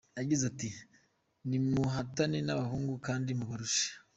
Yagize ati “Nimuhatane n’abahungu, kandi mubarushe.